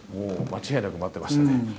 間違いなく待ってましたね。